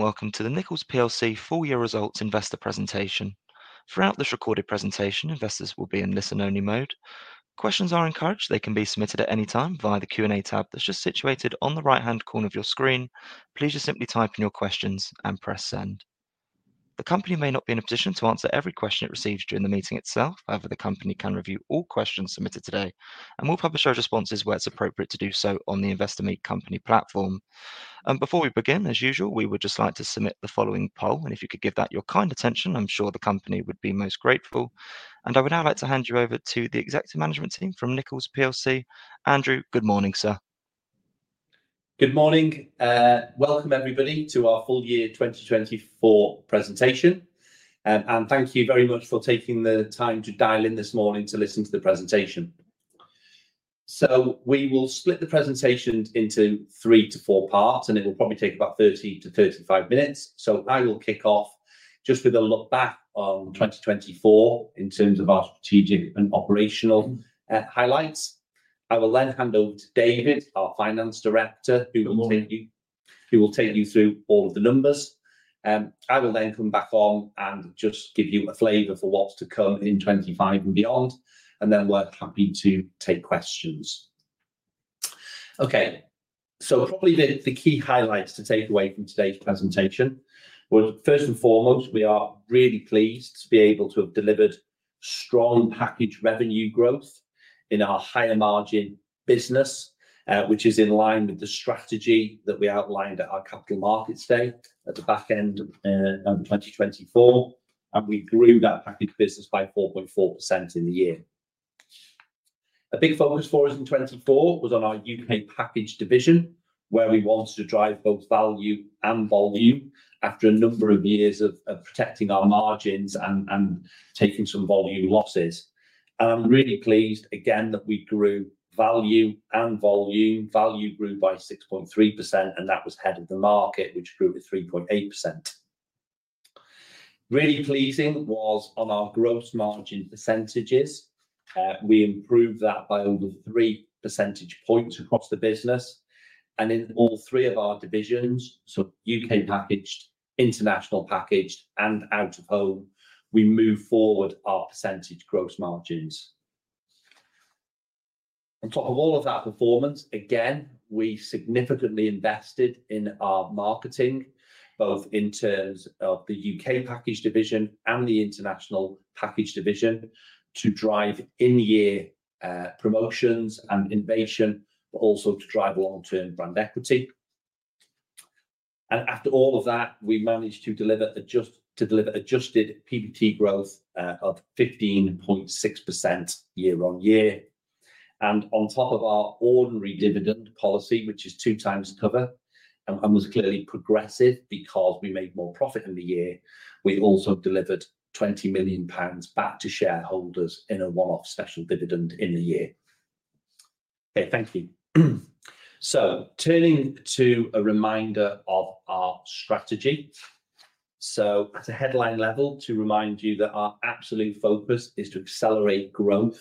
Welcome to the Nichols plc full-year results investor presentation. Throughout this recorded presentation, investors will be in listen-only mode. Questions are encouraged; they can be submitted at any time via the Q&A tab that's just situated on the right-hand corner of your screen. Please just simply type in your questions and press send. The company may not be in a position to answer every question it receives during the meeting itself. However, the company can review all questions submitted today, and we'll publish our responses where it's appropriate to do so on the Investor Meet Company platform. Before we begin, as usual, we would just like to submit the following poll, and if you could give that your kind attention, I'm sure the company would be most grateful. I would now like to hand you over to the Executive Management Team from Nichols plc. Andrew, good morning, sir. Good morning. Welcome, everybody, to our full-year 2024 presentation. Thank you very much for taking the time to dial in this morning to listen to the presentation. We will split the presentation into three to four parts, and it will probably take about 30 to 35 minutes. I will kick off just with a look back on 2024 in terms of our strategic and operational highlights. I will then hand over to David, our Finance Director, who will take you through all of the numbers. I will then come back on and just give you a flavor for what's to come in 2025 and beyond, and then we're happy to take questions. Okay, so probably the key highlights to take away from today's presentation were, first and foremost, we are really pleased to be able to have delivered strong packaged revenue growth in our higher margin business, which is in line with the strategy that we outlined at our Capital Markets Day at the back end of 2024, and we grew that packaged business by 4.4% in the year. A big focus for us in 2024 was on our U.K. packaged division, where we wanted to drive both value and volume after a number of years of protecting our margins and taking some volume losses. I am really pleased, again, that we grew value and volume. Value grew by 6.3%, and that was ahead of the market, which grew at 3.8%. Really pleasing was on our gross margin percentages. We improved that by over three percentage points across the business. In all three of our divisions, U.K. packaged, international packaged, and out of home, we moved forward our percentage gross margins. On top of all of that performance, we significantly invested in our marketing, both in terms of the U.K. packaged division and the international packaged division, to drive in-year promotions and innovation, but also to drive long-term brand equity. After all of that, we managed to deliver adjusted PBT growth of 15.6% year-on-year. On top of our ordinary dividend policy, which is 2x cover and was clearly progressive because we made more profit in the year, we also delivered 20 million pounds back to shareholders in a one-off special dividend in the year. Thank you. Turning to a reminder of our strategy. At a headline level, to remind you that our absolute focus is to accelerate growth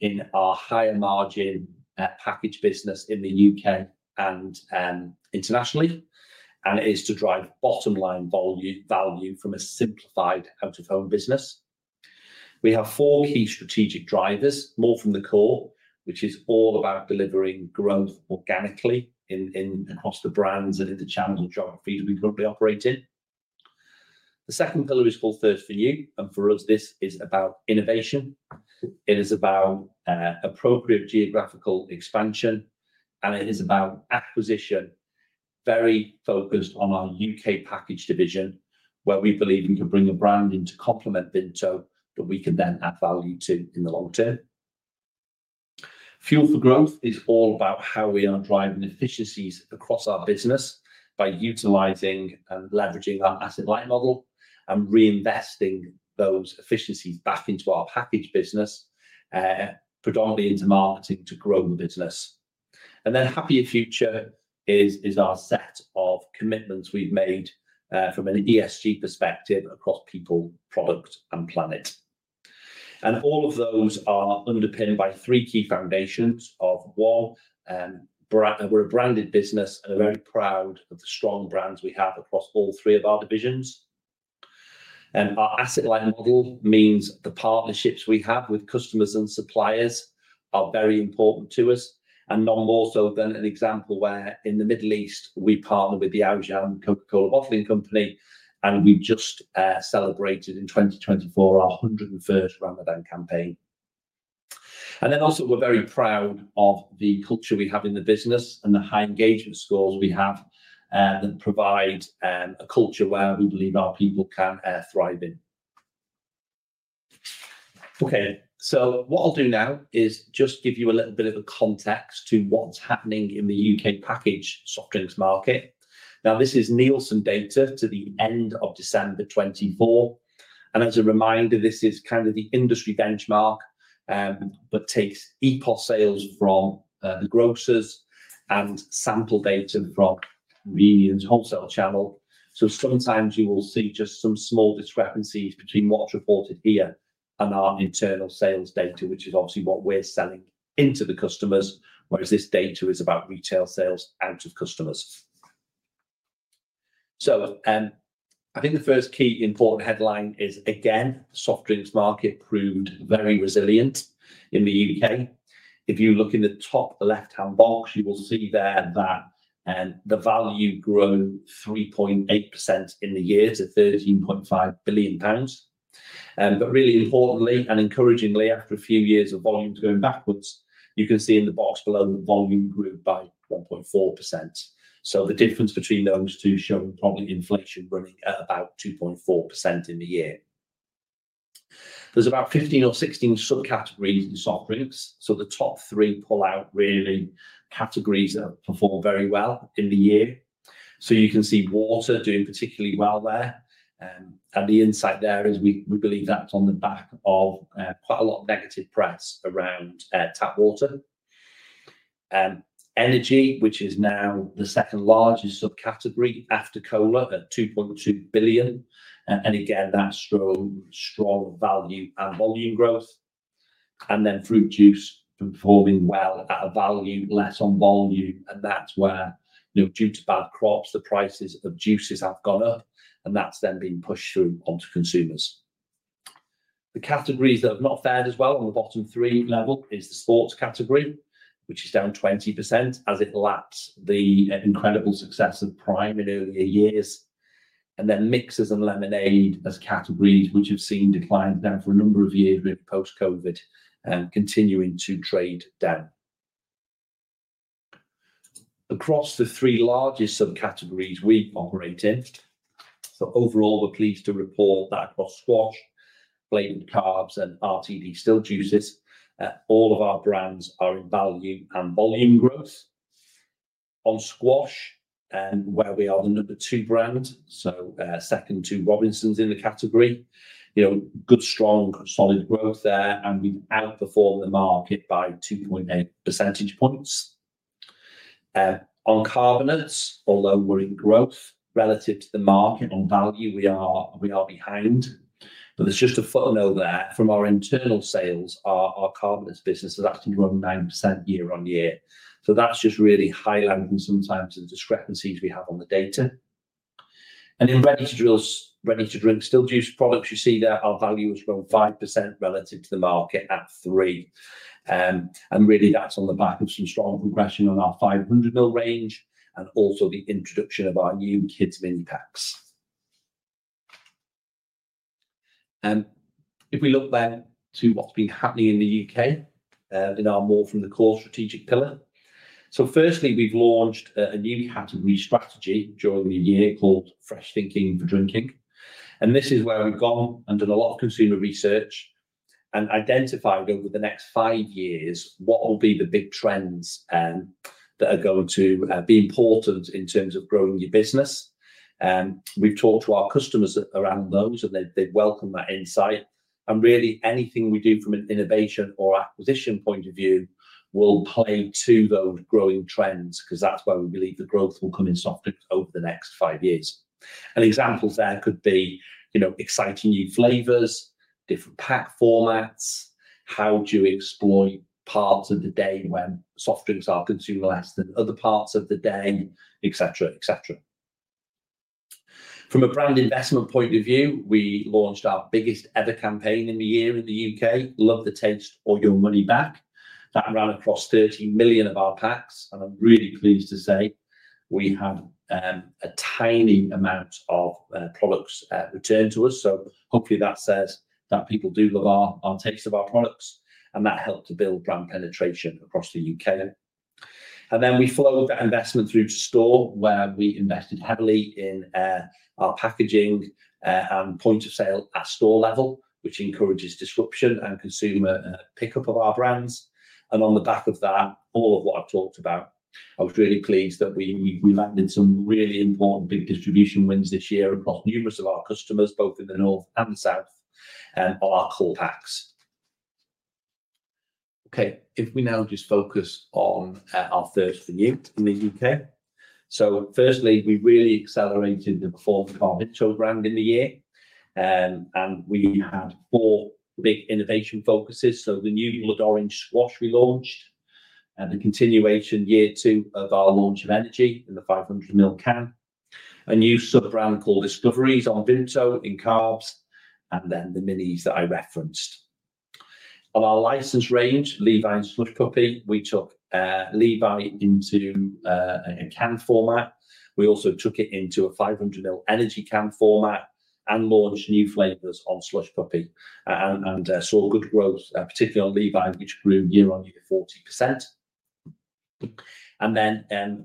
in our higher margin packaged business in the U.K. and internationally, and it is to drive bottom-line value from a simplified out-of-home business. We have four key strategic drivers, More from the Core, which is all about delivering growth organically across the brands and in the channels and geographies we currently operate in. The second pillar is called Thirst for New, and for us, this is about innovation. It is about appropriate geographical expansion, and it is about acquisition, very focused on our U.K. packaged division, where we believe we can bring a brand in to complement Vimto, that we can then add value to in the long-term. Fuel for Growth is all about how we are driving efficiencies across our business by utilizing and leveraging our asset-light model and reinvesting those efficiencies back into our packaged business, predominantly into marketing to grow the business. Happier Future is our set of commitments we've made from an ESG perspective across people, product, and planet. All of those are underpinned by three key foundations of, one, we're a branded business and very proud of the strong brands we have across all three of our divisions. Our asset-light model means the partnerships we have with customers and suppliers are very important to us, none more so than an example where in the Middle East, we partner with the Aujan Coca-Cola Bottling Company, and we've just celebrated in 2024 our 101st Ramadan campaign. We are very proud of the culture we have in the business and the high engagement scores we have that provide a culture where we believe our people can thrive in. Okay, what I'll do now is just give you a little bit of context to what's happening in the U.K. packaged soft drinks market. This is Nielsen data to the end of December 2024. As a reminder, this is kind of the industry benchmark, but takes EPOS sales from the grocers and sample data from Unitas wholesale channel. Sometimes you will see just some small discrepancies between what's reported here and our internal sales data, which is obviously what we're selling into the customers, whereas this data is about retail sales out of customers. I think the first key important headline is, again, the soft drinks market proved very resilient in the U.K. If you look in the top left-hand box, you will see there that the value grew 3.8% in the year to 13.5 billion pounds. Really importantly and encouragingly, after a few years of volumes going backwards, you can see in the box below that volume grew by 1.4%. The difference between those two shows probably inflation running at about 2.4% in the year. There are about 15 or 16 subcategories in soft drinks. The top three pull out categories that have performed very well in the year. You can see water doing particularly well there. The insight there is we believe that is on the back of quite a lot of negative press around tap water. Energy, which is now the second largest subcategory after cola at 2.2 billion. That is strong value and volume growth. Fruit juice is performing well at a value, less on volume. That is where, due to bad crops, the prices of juices have gone up, and that is then being pushed through onto consumers. The categories that have not fared as well on the bottom three level is the sports category, which is down 20% as it lacks the incredible success of Prime in earlier years. Mixers and lemonade as categories have seen declines now for a number of years post-COVID and continuing to trade down. Across the three largest subcategories we operate in, overall, we are pleased to report that across squash, flavored carbs, and RTD still juices, all of our brands are in value and volume growth. On squash, where we are the number two brand, so second to Robinsons in the category, good, strong, solid growth there, and we've outperformed the market by 2.8 percentage points. On carbonates, although we're in growth relative to the market on value, we are behind. There's just a footnote there from our internal sales. Our carbonate business has actually grown 9% year on year. That's just really highlighting sometimes the discrepancies we have on the data. In ready-to-drink still juice products, you see that our value has grown 5% relative to the market at 3%. That's on the back of some strong progression on our 500 ml range and also the introduction of our new kids' mini packs. If we look then to what's been happening in the U.K. in our More from the Core strategic pillar. Firstly, we've launched a newly categorized strategy during the year called Fresh Thinking for Drinking. This is where we've gone and done a lot of consumer research and identified over the next five years what will be the big trends that are going to be important in terms of growing your business. We've talked to our customers around those, and they've welcomed that insight. Really, anything we do from an innovation or acquisition point of view will play to those growing trends because that's where we believe the growth will come in soft drinks over the next five years. Examples there could be exciting new flavors, different pack formats, how do you exploit parts of the day when soft drinks are consumed less than other parts of the day, etc., etc. From a brand investment point of view, we launched our biggest ever campaign in the year in the U.K., Love the Taste or Your Money Back. That ran across 30 million of our packs. I'm really pleased to say we had a tiny amount of products returned to us. Hopefully that says that people do love our taste of our products, and that helped to build brand penetration across the U.K. We flowed that investment through to store, where we invested heavily in our packaging and point of sale at store level, which encourages disruption and consumer pickup of our brands. On the back of that, all of what I've talked about, I was really pleased that we landed some really important big distribution wins this year across numerous of our customers, both in the north and the south, on our core packs. Okay, if we now just focus on our Thirst for New in the U.K. Firstly, we really accelerated the performance of our Vimto brand in the year. We had four big innovation focuses. The new blood orange squash we launched, the continuation year two of our launch of energy in the 500 ml can, a new sub-brand called Discovery on Vimto in carbs, and then the minis that I referenced. On our license range, Levi, SLUSH PUPPiE, we took Levi into a can format. We also took it into a 500 ml energy can format and launched new flavors on SLUSH PUPPiE. We saw good growth, particularly on Levi, which grew year-on-year 40%.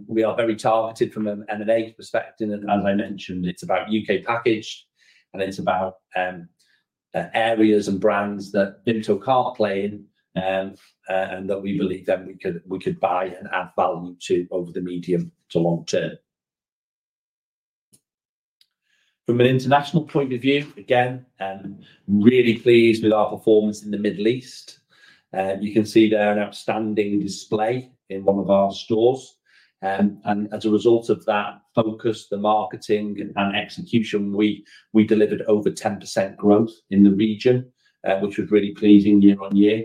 We are very targeted from an M&A perspective. As I mentioned, it's about U.K. packaged, and it's about areas and brands that Vimto can't play in and that we believe then we could buy and add value to over the medium to long term. From an international point of view, again, I'm really pleased with our performance in the Middle East. You can see there an outstanding display in one of our stores. As a result of that focus, the marketing and execution, we delivered over 10% growth in the region, which was really pleasing year on year.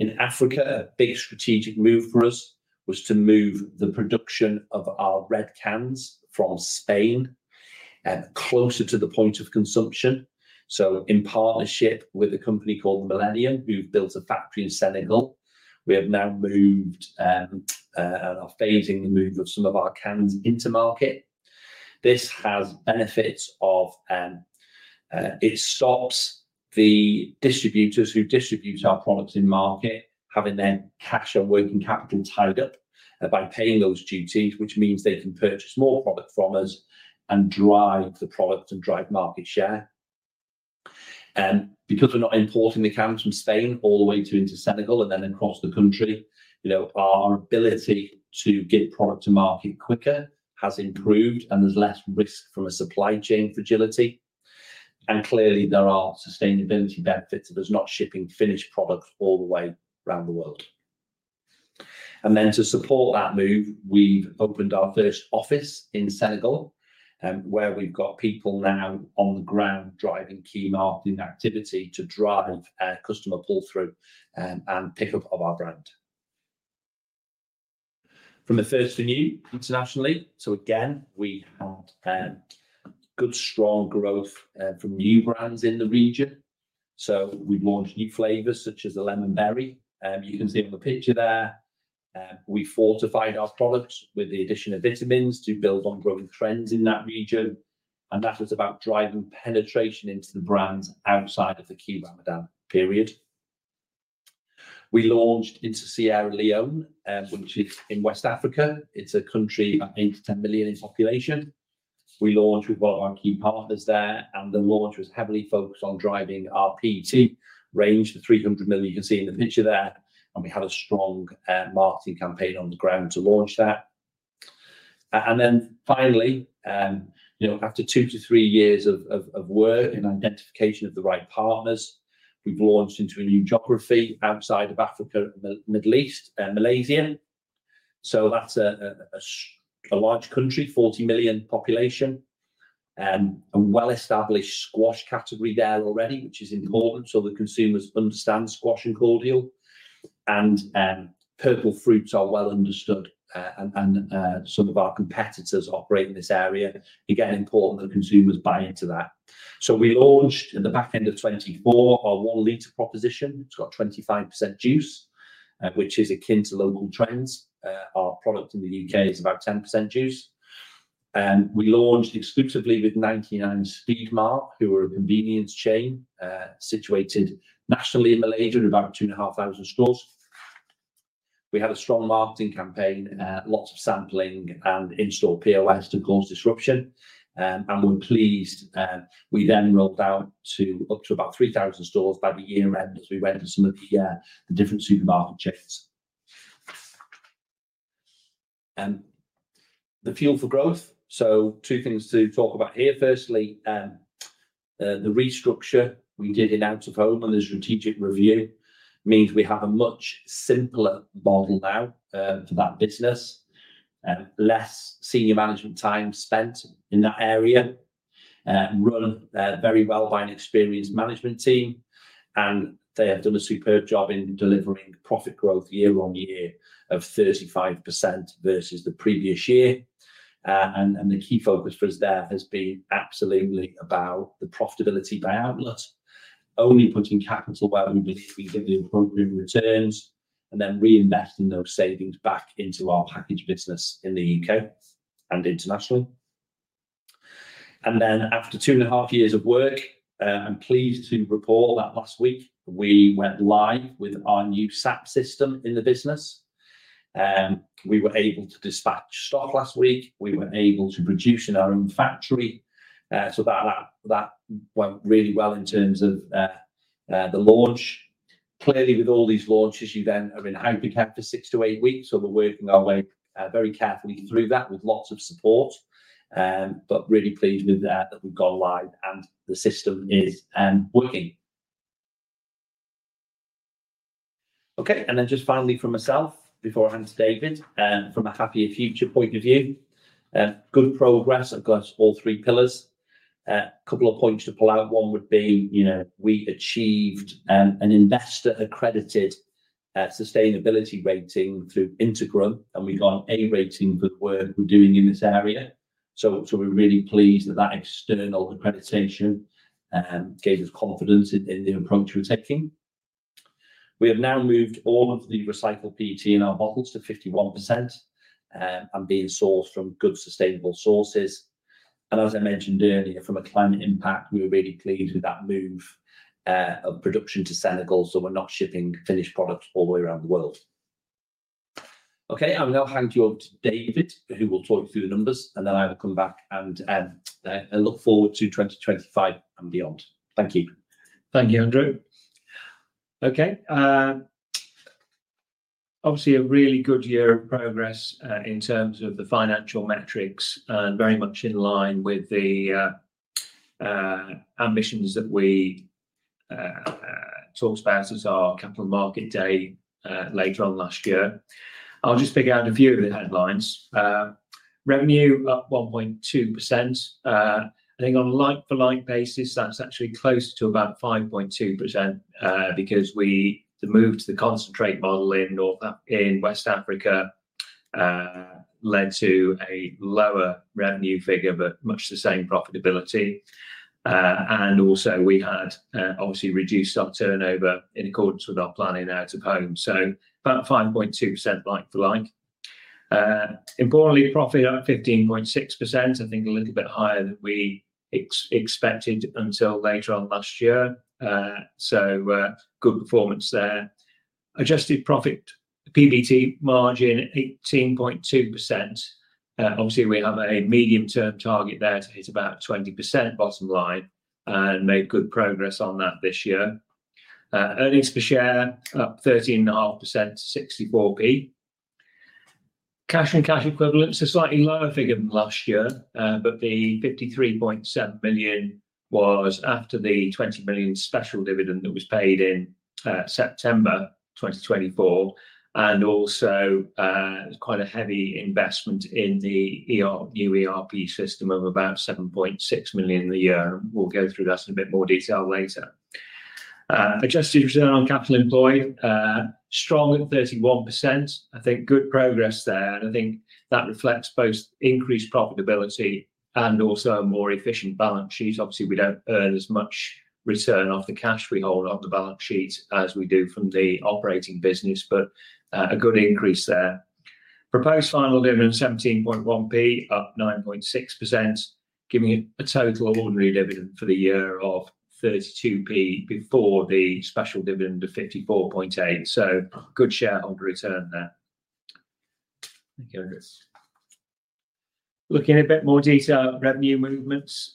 In Africa, a big strategic move for us was to move the production of our red cans from Spain closer to the point of consumption. In partnership with a company called Millennium, we've built a factory in Senegal. We have now moved and are phasing the move of some of our cans into market. This has benefits of it stops the distributors who distribute our products in market having their cash and working capital tied up by paying those duties, which means they can purchase more product from us and drive the product and drive market share. Because we're not importing the cans from Spain all the way into Senegal and then across the country, our ability to get product to market quicker has improved, and there's less risk from a supply chain fragility. Clearly, there are sustainability benefits of us not shipping finished products all the way around the world. To support that move, we've opened our first office in Senegal, where we've got people now on the ground driving key marketing activity to drive customer pull-through and pickup of our brand. From the Thirst for New internationally, we had good, strong growth from new brands in the region. We launched new flavors such as the lemon berry. You can see on the picture there. We fortified our products with the addition of vitamins to build on growing trends in that region. That was about driving penetration into the brands outside of the key Ramadan period. We launched into Sierra Leone, which is in West Africa. It is a country about 8 million-10 million in population. We launched with one of our key partners there, and the launch was heavily focused on driving our PET range to 300 mil. You can see in the picture there. We had a strong marketing campaign on the ground to launch that. Finally, after two to three years of work and identification of the right partners, we've launched into a new geography outside of Africa, Middle East, and Malaysia. That's a large country, 40 million population, and a well-established squash category there already, which is important so that consumers understand squash and cordial. Purple fruits are well understood, and some of our competitors operate in this area. Again, important that consumers buy into that. We launched at the back end of 2024 our one-liter proposition. It's got 25% juice, which is akin to local trends. Our product in the U.K. is about 10% juice. We launched exclusively with 99 Speedmart, who are a convenience chain situated nationally in Malaysia in about 2,500 stores. We had a strong marketing campaign, lots of sampling, and in-store POS to cause disruption. We're pleased. We then rolled out to up to about 3,000 stores by the year end as we went to some of the different supermarket chains. The fuel for growth. Two things to talk about here. Firstly, the restructure we did in out of home and the strategic review means we have a much simpler model now for that business, less senior management time spent in that area, run very well by an experienced management team. They have done a superb job in delivering profit growth year on year of 35% versus the previous year. The key focus for us there has been absolutely about the profitability by outlet, only putting capital where we believe we can do proven returns, and then reinvesting those savings back into our packaged business in the U.K. and internationally. After two and a half years of work, I'm pleased to report that last week we went live with our new SAP system in the business. We were able to dispatch stock last week. We were able to produce in our own factory. That went really well in terms of the launch. Clearly, with all these launches, you then are in hypercamp for six to eight weeks. We're working our way very carefully through that with lots of support. Really pleased that we've gone live and the system is working. Okay. Finally, from myself before I hand to David, from a Happier Future point of view, good progress. I've got all three pillars. A couple of points to pull out. One would be we achieved an investor-accredited sustainability rating through Integrum, and we have got an A rating for the work we are doing in this area. We are really pleased that that external accreditation gave us confidence in the approach we are taking. We have now moved all of the recycled PET in our bottles to 51% and being sourced from good sustainable sources. As I mentioned earlier, from a climate impact, we were really pleased with that move of production to Senegal. We are not shipping finished products all the way around the world. Okay. I will now hand you over to David, who will talk through the numbers, and then I will come back and look forward to 2025 and beyond. Thank you. Thank you, Andrew. Okay. Obviously, a really good year of progress in terms of the financial metrics and very much in line with the ambitions that we talked about at our Capital Market Day later on last year. I'll just pick out a few of the headlines. Revenue up 1.2%. I think on a like-for-like basis, that's actually close to about 5.2% because the move to the concentrate model in West Africa led to a lower revenue figure, but much the same profitability. We had obviously reduced our turnover in accordance with our planning out of home. About 5.2% like-for-like. Importantly, profit up 15.6%. I think a little bit higher than we expected until later on last year. Good performance there. Adjusted PBT margin 18.2%. We have a medium-term target there to hit about 20% bottom line and made good progress on that this year. Earnings per share up 13.5% to 0.64. Cash and cash equivalents are slightly lower figure than last year, but the 53.7 million was after the 20 million special dividend that was paid in September 2024. Also, quite a heavy investment in the new ERP system of about 7.6 million a year. We'll go through that in a bit more detail later. Adjusted return on capital employed, strong at 31%. I think good progress there. I think that reflects both increased profitability and also a more efficient balance sheet. Obviously, we don't earn as much return off the cash we hold on the balance sheet as we do from the operating business, but a good increase there. Proposed final dividend 0.171, up 9.6%, giving it a total ordinary dividend for the year of 0.32 before the special dividend of 0.548. Good shareholder return there. Thank you, Andrew. Looking at a bit more detail, revenue movements.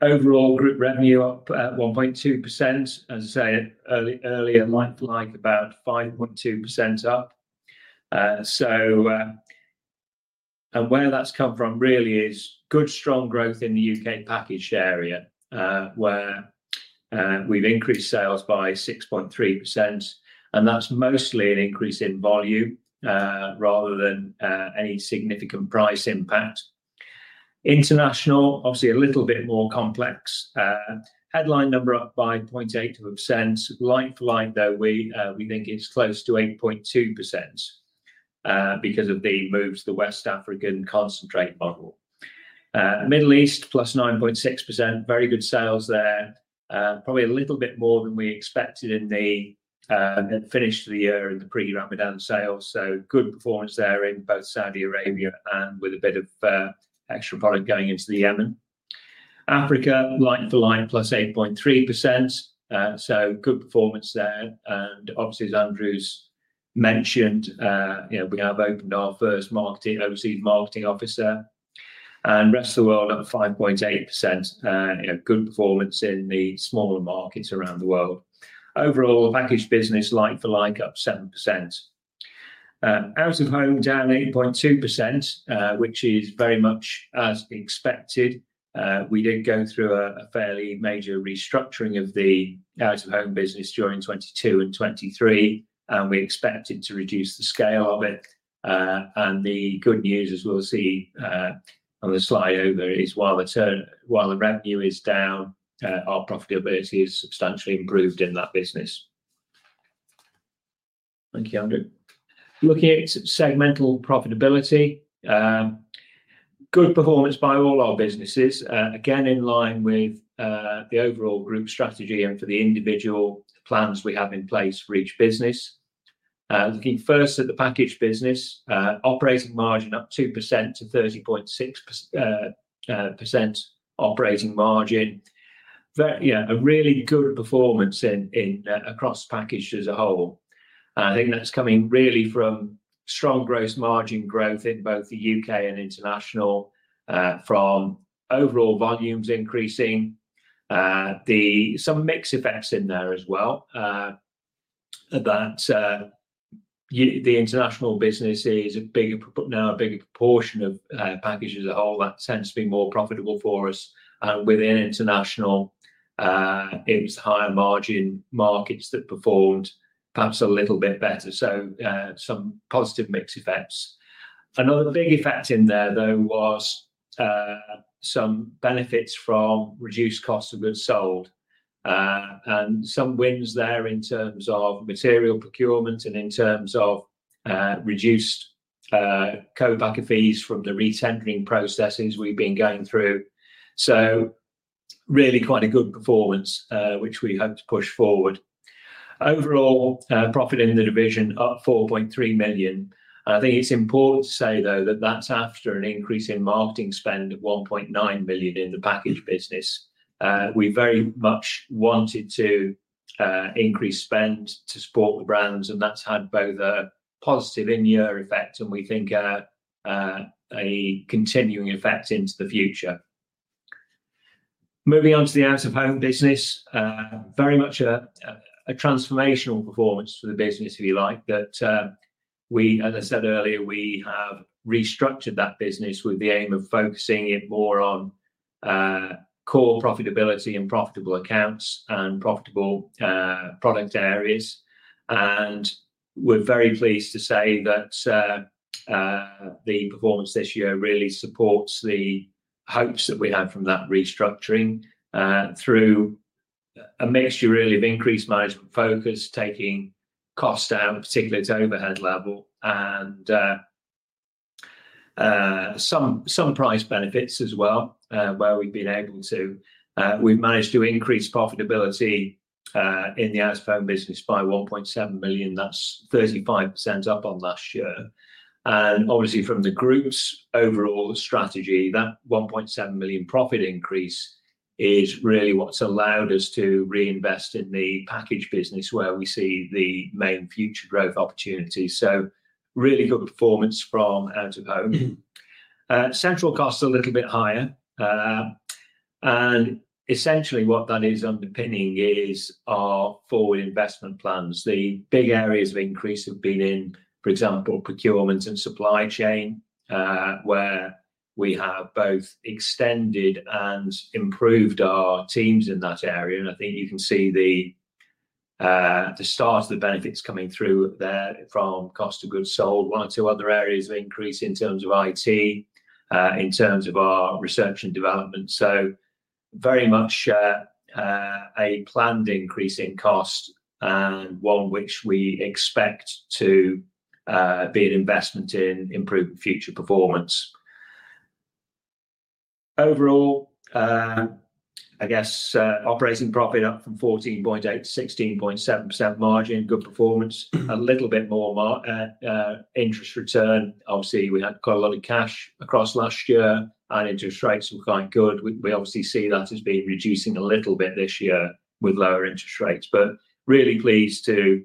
Overall group revenue up 1.2%. As I say earlier, like-for-like, about 5.2% up. Where that's come from really is good, strong growth in the U.K. package area, where we've increased sales by 6.3%. That's mostly an increase in volume rather than any significant price impact. International, obviously a little bit more complex. Headline number up by 0.8%. Like-for-like, though, we think it's close to 8.2% because of the move to the West African concentrate model. Middle East, +9.6%. Very good sales there. Probably a little bit more than we expected in the finish of the year in the pre-Ramadan sales. Good performance there in both Saudi Arabia and with a bit of extra product going into the Yemen. Africa, like-for-like, +8.3%. Good performance there. Obviously, as Andrew's mentioned, we have opened our first overseas marketing office. Rest of the world up 5.8%. Good performance in the smaller markets around the world. Overall, packaged business, like-for-like, up 7%. Out of home, down 8.2%, which is very much as expected. We did go through a fairly major restructuring of the out-of-home business during 2022 and 2023, and we expected to reduce the scale of it. The good news, as we'll see on the slide over, is while the revenue is down, our profitability has substantially improved in that business. Thank you, Andrew. Looking at segmental profitability. Good performance by all our businesses. Again, in line with the overall group strategy and for the individual plans we have in place for each business. Looking first at the packaged business, operating margin up 2% to 30.6% operating margin. A really good performance across package as a whole. I think that's coming really from strong gross margin growth in both the U.K. and international from overall volumes increasing. Some mixed effects in there as well. The international business is now a bigger proportion of package as a whole. That tends to be more profitable for us. Within international, it was higher margin markets that performed perhaps a little bit better. Some positive mixed effects. Another big effect in there, though, was some benefits from reduced costs of goods sold. Some wins there in terms of material procurement and in terms of reduced co-packer fees from the recentring processes we've been going through. Really quite a good performance, which we hope to push forward. Overall, profit in the division up 4.3 million. I think it's important to say, though, that that's after an increase in marketing spend of 1.9 million in the packaged business. We very much wanted to increase spend to support the brands, and that's had both a positive in-year effect and we think a continuing effect into the future. Moving on to the out-of-home business, very much a transformational performance for the business, if you like, that we, as I said earlier, we have restructured that business with the aim of focusing it more on core profitability and profitable accounts and profitable product areas. We are very pleased to say that the performance this year really supports the hopes that we had from that restructuring through a mixture really of increased management focus, taking cost down, particularly at overhead level, and some price benefits as well, where we have been able to, we have managed to increase profitability in the out-of-home business by 1.7 million. That is 35% up on last year. Obviously, from the group's overall strategy, that 1.7 million profit increase is really what has allowed us to reinvest in the packaged business where we see the main future growth opportunities. Really good performance from out-of-home. Central costs are a little bit higher. Essentially, what that is underpinning is our forward investment plans. The big areas of increase have been in, for example, procurement and supply chain, where we have both extended and improved our teams in that area. I think you can see the start of the benefits coming through there from cost of goods sold, one or two other areas of increase in terms of IT, in terms of our research and development. Very much a planned increase in cost and one which we expect to be an investment in improving future performance. Overall, I guess operating profit up from 14.8%-16.7% margin, good performance, a little bit more interest return. Obviously, we had quite a lot of cash across last year, and interest rates were quite good. We obviously see that as being reducing a little bit this year with lower interest rates, but really pleased to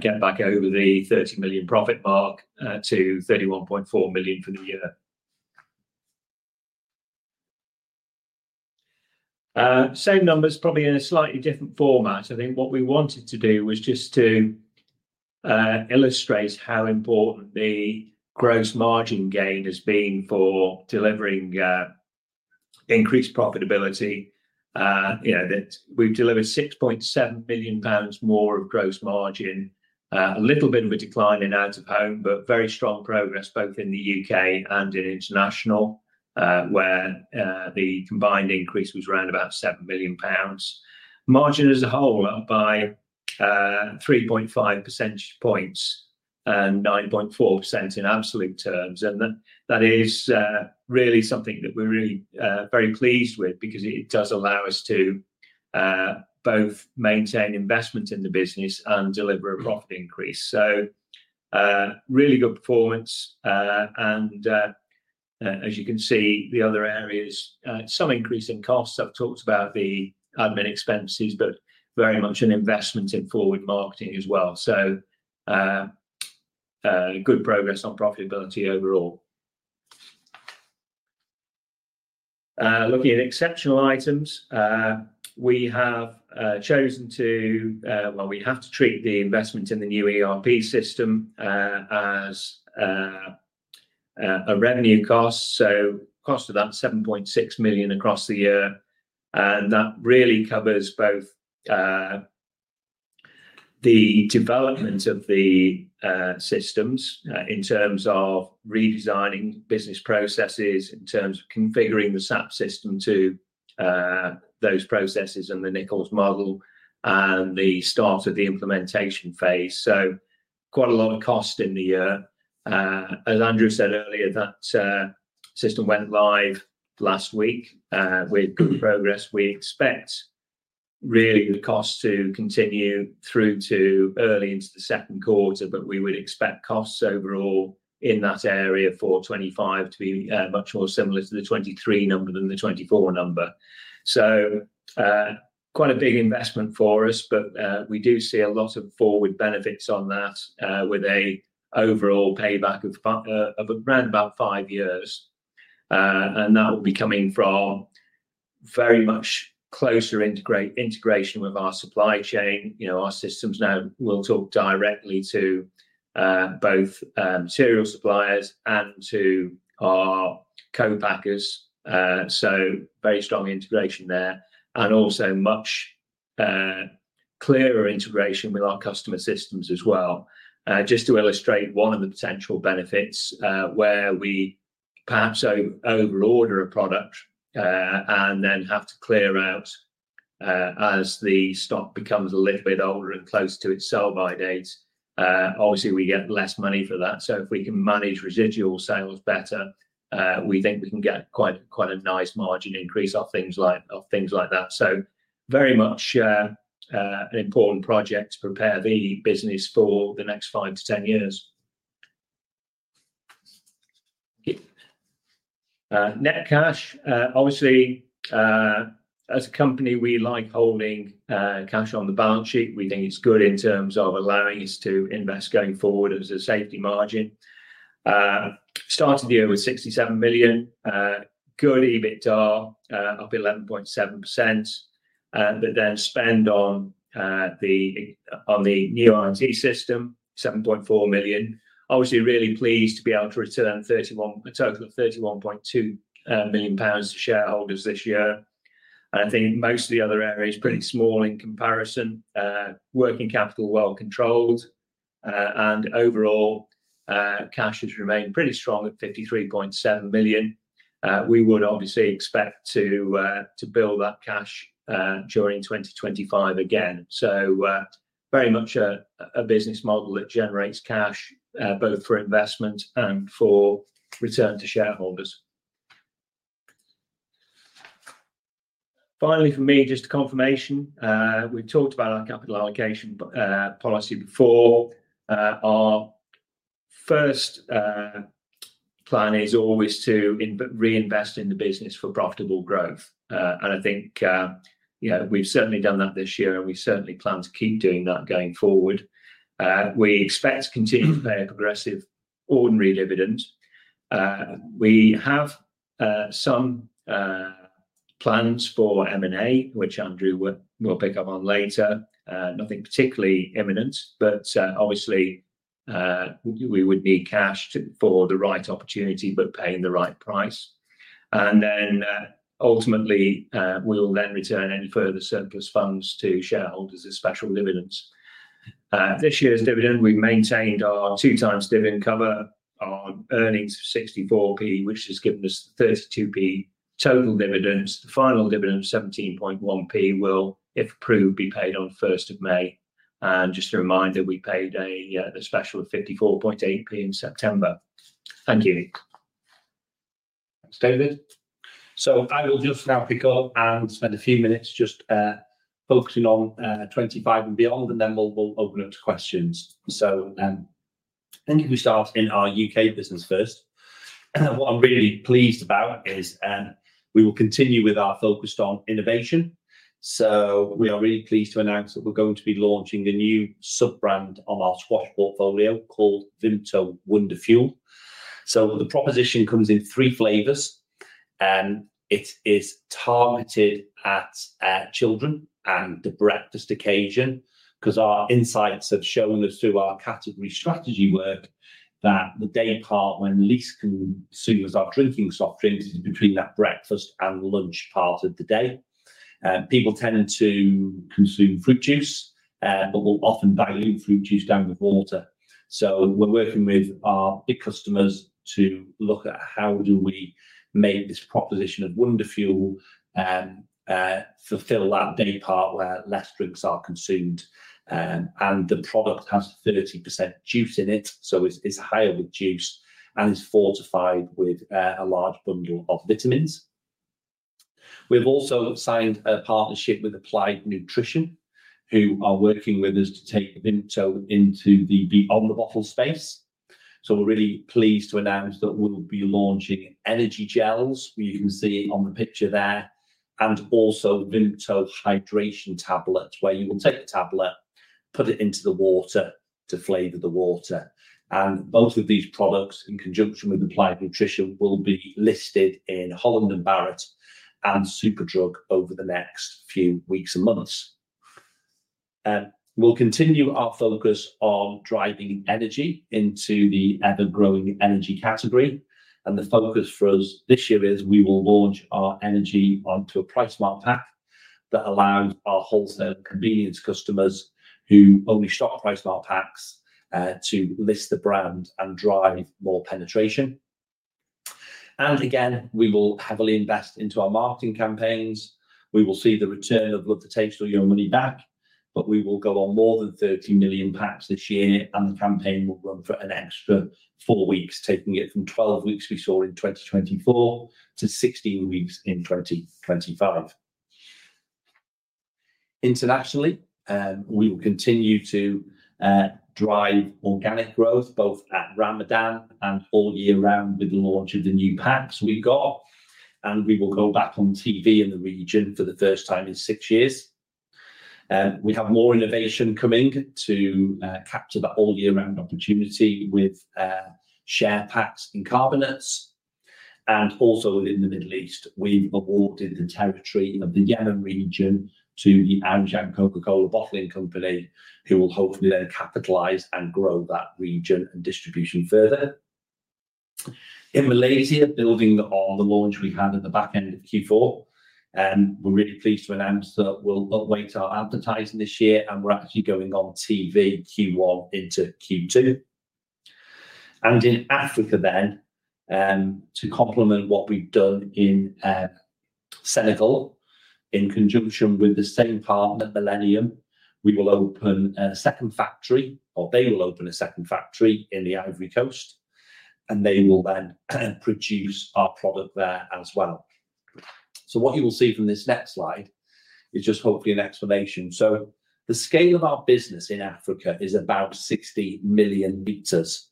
get back over the 30 million profit mark to 31.4 million for the year. Same numbers, probably in a slightly different format. I think what we wanted to do was just to illustrate how important the gross margin gain has been for delivering increased profitability, that we've delivered 6.7 million pounds more of gross margin, a little bit of a decline in out-of-home, but very strong progress both in the U.K. and in international, where the combined increase was around about 7 million pounds. Margin as a whole up by 3.5 percentage points and 9.4% in absolute terms. That is really something that we're really very pleased with because it does allow us to both maintain investment in the business and deliver a profit increase. Really good performance. As you can see, the other areas, some increase in costs. I've talked about the admin expenses, but very much an investment in forward marketing as well. Good progress on profitability overall. Looking at exceptional items, we have chosen to, well, we have to treat the investment in the new ERP system as a revenue cost. So cost of that 7.6 million across the year. That really covers both the development of the systems in terms of redesigning business processes, in terms of configuring the SAP system to those processes and the Nichols model, and the start of the implementation phase. Quite a lot of cost in the year. As Andrew said earlier, that system went live last week. With good progress, we expect really the cost to continue through to early into the second quarter, but we would expect costs overall in that area for 2025 to be much more similar to the 2023 number than the 2024 number. Quite a big investment for us, but we do see a lot of forward benefits on that with an overall payback of around about five years. That will be coming from very much closer integration with our supply chain. Our systems now will talk directly to both material suppliers and to our co-packers. Very strong integration there. Also much clearer integration with our customer systems as well. Just to illustrate one of the potential benefits where we perhaps overorder a product and then have to clear out as the stock becomes a little bit older and close to its sell-by date, obviously, we get less money for that. If we can manage residual sales better, we think we can get quite a nice margin increase off things like that. Very much an important project to prepare the business for the next 5 to 10 years. Net cash. Obviously, as a company, we like holding cash on the balance sheet. We think it's good in terms of allowing us to invest going forward as a safety margin. Started the year with 67 million. Good EBITDA, up 11.7%. Then spend on the new IT system, 7.4 million. Obviously, really pleased to be able to return a total of 31.2 million pounds to shareholders this year. I think most of the other areas are pretty small in comparison. Working capital well controlled. Overall, cash has remained pretty strong at 53.7 million. We would obviously expect to build that cash during 2025 again. Very much a business model that generates cash both for investment and for return to shareholders. Finally, for me, just a confirmation. We've talked about our capital allocation policy before. Our first plan is always to reinvest in the business for profitable growth. I think we've certainly done that this year, and we certainly plan to keep doing that going forward. We expect to continue to pay a progressive ordinary dividend. We have some plans for M&A, which Andrew will pick up on later. Nothing particularly imminent, but obviously, we would need cash for the right opportunity, but paying the right price. Ultimately, we will then return any further surplus funds to shareholders as special dividends. This year's dividend, we've maintained our two-times dividend cover. Our earnings of 0.64, which has given us 0.32 total dividends. The final dividend of 0.171 will, if approved, be paid on 1st of May. Just a reminder, we paid a special of 0.548 in September. Thank you. Thanks, David. I will just now pick up and spend a few minutes just focusing on 2025 and beyond, and then we'll open up to questions. I think if we start in our U.K. business first, what I'm really pleased about is we will continue with our focus on innovation. We are really pleased to announce that we're going to be launching a new sub-brand on our squash portfolio called Vimto Wonderfuel. The proposition comes in three flavors, and it is targeted at children and the breakfast occasion because our insights have shown us through our category strategy work that the day part when least consumers are drinking soft drinks is between that breakfast and lunch part of the day. People tend to consume fruit juice, but will often dilute fruit juice down with water. We're working with our big customers to look at how do we make this proposition of Wonderfuel fulfill that day part where less drinks are consumed. The product has 30% juice in it, so it's higher with juice and is fortified with a large bundle of vitamins. We've also signed a partnership with Applied Nutrition, who are working with us to take Vimto into the beyond-the-bottle space. We're really pleased to announce that we'll be launching energy gels, where you can see on the picture there, and also Vimto hydration tablets, where you will take the tablet, put it into the water to flavor the water. Both of these products, in conjunction with Applied Nutrition, will be listed in Holland & Barrett and Superdrug over the next few weeks and months. We'll continue our focus on driving energy into the ever-growing energy category. The focus for us this year is we will launch our energy onto a priced marked pack that allows our wholesale convenience customers who only shop price marked packs to list the brand and drive more penetration. We will heavily invest into our marketing campaigns. We will see the return of Love the Taste or Your Money Back, but we will go on more than 30 million packs this year, and the campaign will run for an extra four weeks, taking it from 12 weeks we saw in 2024 to 16 weeks in 2025. Internationally, we will continue to drive organic growth both at Ramadan and all year round with the launch of the new packs we have got, and we will go back on TV in the region for the first time in six years. We have more innovation coming to capture that all-year-round opportunity with share packs and carbonates. Also within the Middle East, we have awarded the territory of the Yemen region to the Aujan Coca-Cola Bottling Company, who will hopefully then capitalize and grow that region and distribution further. In Malaysia, building on the launch we had at the back end of Q4, we are really pleased to announce that we will update our advertising this year, and we are actually going on TV Q1 into Q2. In Africa then, to complement what we have done in Senegal, in conjunction with the same partner, Millennium, we will open a second factory, or they will open a second factory in the Ivory Coast, and they will then produce our product there as well. What you will see from this next slide is just hopefully an explanation. The scale of our business in Africa is about 60 million liters,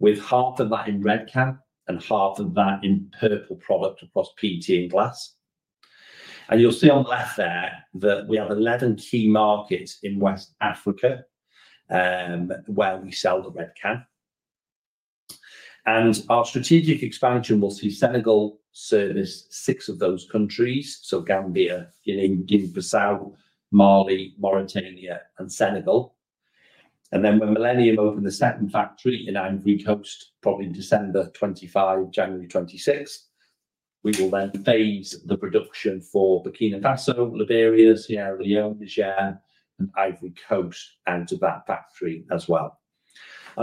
with half of that in red cap and half of that in purple product across PET and glass. You'll see on the left there that we have 11 key markets in West Africa where we sell the red cap. Our strategic expansion will see Senegal service six of those countries: Gambia, Guinea-Bissau, Mali, Mauritania, and Senegal. When Millennium opens the second factory in Ivory Coast, probably December 2025, January 2026, we will then phase the production for Burkina Faso, Liberia, Sierra Leone, Niger, and Ivory Coast into that factory as well.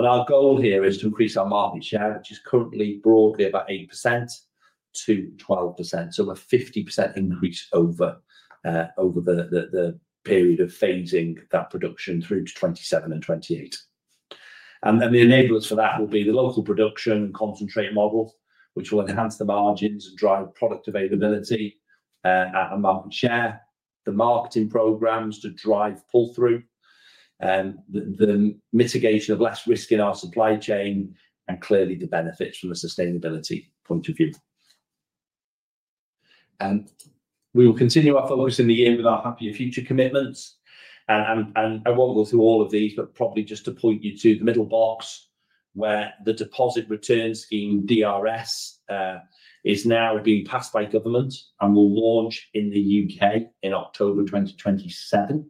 Our goal here is to increase our market share, which is currently broadly about 8%-12%, so a 50% increase over the period of phasing that production through to 2027 and 2028. The enablers for that will be the local production and concentrate model, which will enhance the margins and drive product availability at a market share, the marketing programs to drive pull-through, the mitigation of less risk in our supply chain, and clearly the benefits from a sustainability point of view. We will continue our focus in the year with our Happier Future commitments. I will not go through all of these, but probably just to point you to the middle box where the deposit return scheme, DRS, is now being passed by government and will launch in the U.K. in October 2027.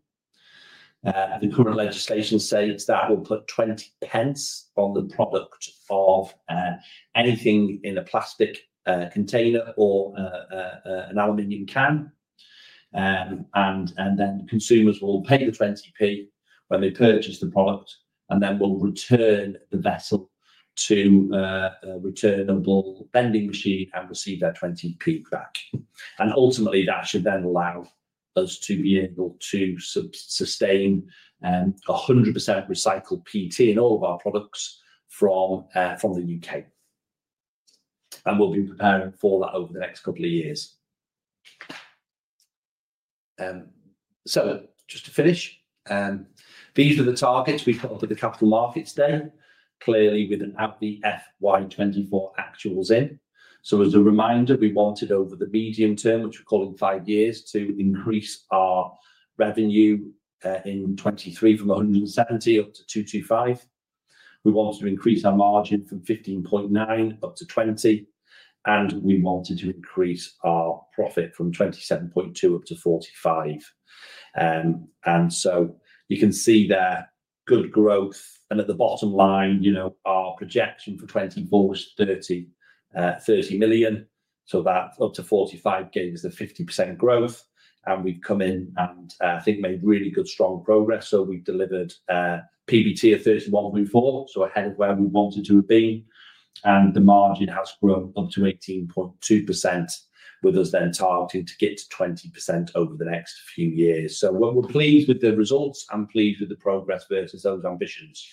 The current legislation states that it will put 0.20 on the product of anything in a plastic container or an aluminium can. Consumers will pay the 20p when they purchase the product, and then will return the vessel to a returnable vending machine and receive that 20p back. Ultimately, that should then allow us to be able to sustain 100% recycled PET in all of our products from the U.K. We will be preparing for that over the next couple of years. Just to finish, these are the targets we have put up at the Capital Markets Day, clearly with an actual FY 2024 in. As a reminder, we wanted over the medium term, which we are calling five years, to increase our revenue in 2023 from 170 million up to 225 million. We wanted to increase our margin from 15.9% up to 20%, and we wanted to increase our profit from 27.2 million up to 45 million. You can see there is good growth. At the bottom line, our projection for 2024 was 30 million. That up to 45 million gave us a 50% growth. We have come in and I think made really good strong progress. We have delivered PBT of 31.4 million, so ahead of where we wanted to have been. The margin has grown up to 18.2% with us then targeting to get to 20% over the next few years. We are pleased with the results and pleased with the progress versus those ambitions.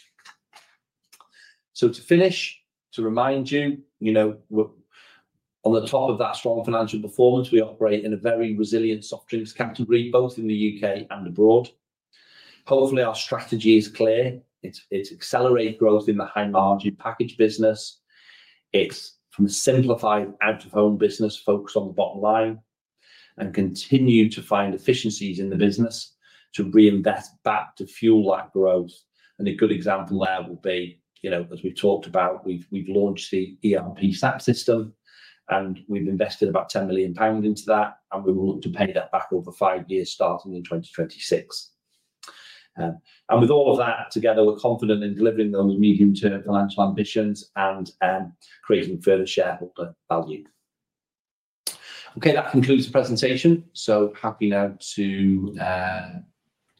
To finish, to remind you, on the top of that strong financial performance, we operate in a very resilient soft drinks category, both in the U.K. and abroad. Hopefully, our strategy is clear. It is accelerate growth in the high-margin packaged business. is from a simplified out-of-home business focus on the bottom line and continue to find efficiencies in the business to reinvest back to fuel that growth. A good example there will be, as we have talked about, we have launched the ERP SAP system, and we have invested about 10 million pounds into that, and we will look to pay that back over five years starting in 2026. With all of that together, we are confident in delivering those medium-term financial ambitions and creating further shareholder value. Okay, that concludes the presentation. Happy now to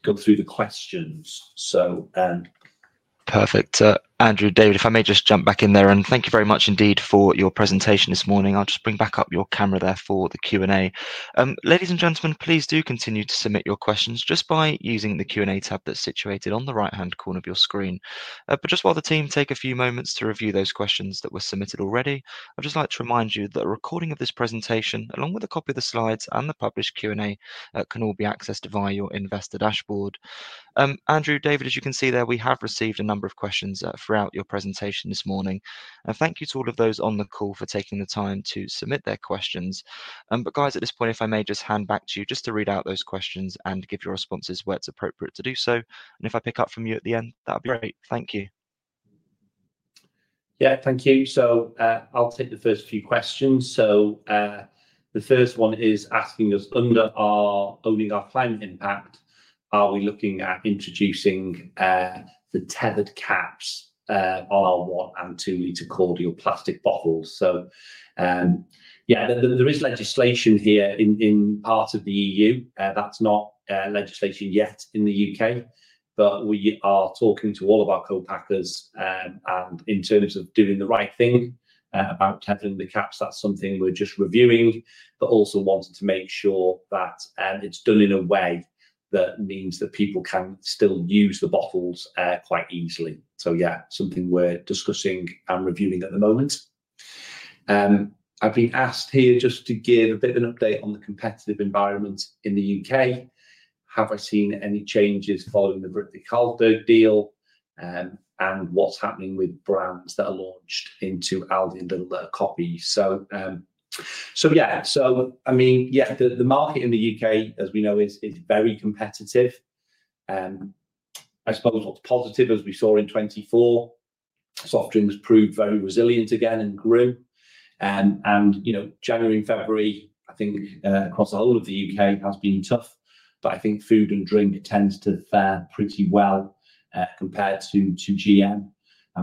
go through the questions. Perfect. Andrew, David, if I may just jump back in there, and thank you very much indeed for your presentation this morning. I will just bring back up your camera there for the Q&A. Ladies and gentlemen, please do continue to submit your questions just by using the Q&A tab that is situated on the right-hand corner of your screen. While the team take a few moments to review those questions that were submitted already, I would just like to remind you that a recording of this presentation, along with a copy of the slides and the published Q&A, can all be accessed via your investor dashboard. Andrew, David, as you can see there, we have received a number of questions throughout your presentation this morning. Thank you to all of those on the call for taking the time to submit their questions. At this point, if I may, I will just hand back to you to read out those questions and give your responses where it is appropriate to do so. If I pick up from you at the end, that'd be great. Thank you. Yeah, thank you. I'll take the first few questions. The first one is asking us under our owning our climate impact, are we looking at introducing the tethered caps on our one and two-liter cordial plastic bottles? There is legislation here in parts of the EU. That's not legislation yet in the U.K., but we are talking to all of our co-packers in terms of doing the right thing about tethering the caps. That's something we're just reviewing, but also wanting to make sure that it's done in a way that means that people can still use the bottles quite easily. Yeah, something we're discussing and reviewing at the moment. I've been asked here just to give a bit of an update on the competitive environment in the U.K. Have I seen any changes following the Britvic-Carlsberg deal and what's happening with brands that are launched into Aldi and Lidl or coffee? Yeah, I mean, yeah, the market in the U.K., as we know, is very competitive. I suppose what's positive, as we saw in 2024, soft drinks proved very resilient again and grew. January and February, I think across the whole of the U.K., has been tough, but I think food and drink tends to fare pretty well compared to GM.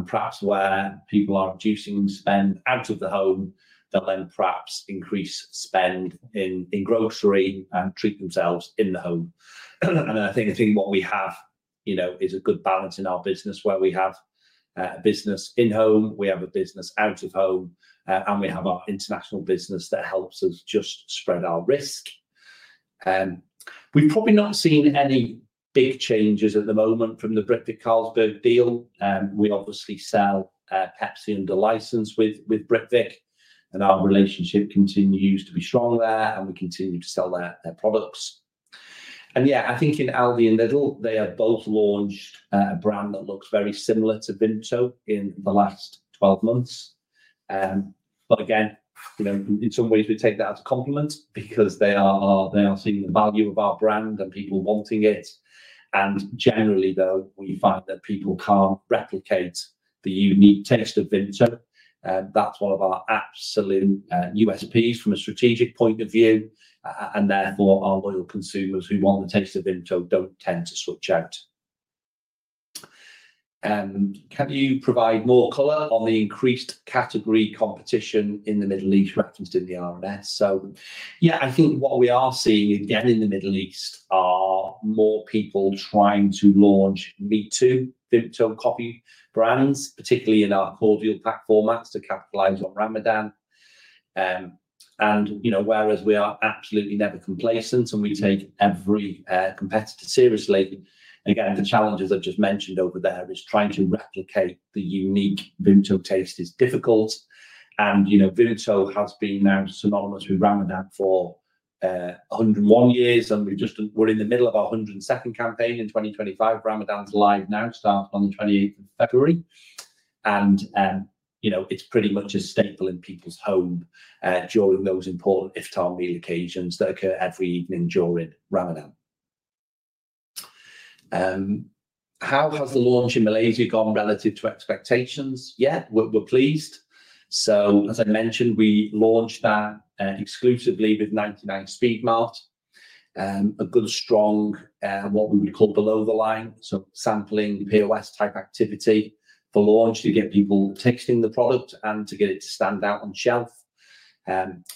Perhaps where people are reducing spend out of the home, they'll then perhaps increase spend in grocery and treat themselves in the home. I think what we have is a good balance in our business where we have a business in home, we have a business out of home, and we have our international business that helps us just spread our risk. We've probably not seen any big changes at the moment from the Britvic-Carlsberg deal. We obviously sell Pepsi under license with Britvic, and our relationship continues to be strong there, and we continue to sell their products. Yeah, I think in Aldi and Lidl, they have both launched a brand that looks very similar to Vimto in the last 12 months. In some ways, we take that as a compliment because they are seeing the value of our brand and people wanting it. Generally, though, we find that people can't replicate the unique taste of Vimto. That's one of our absolute USPs from a strategic point of view. Therefore, our loyal consumers who want the taste of Vimto don't tend to switch out. Can you provide more color on the increased category competition in the Middle East referenced in the R&S? Yeah, I think what we are seeing again in the Middle East are more people trying to launch me-too Vimto copy brands, particularly in our cordial pack formats to capitalize on Ramadan. Whereas we are absolutely never complacent and we take every competitor seriously, again, the challenge I just mentioned over there is trying to replicate the unique Vimto taste is difficult. Vimto has been now synonymous with Ramadan for 101 years, and we're in the middle of our 102nd campaign in 2025. Ramadan's live now started on the 28th of February. It's pretty much a staple in people's home during those important Iftar meal occasions that occur every evening during Ramadan. How has the launch in Malaysia gone relative to expectations? Yeah, we're pleased. As I mentioned, we launched that exclusively with 99 Speedmart, a good strong what we would call below the line, so sampling POS type activity for launch to get people tasting the product and to get it to stand out on shelf.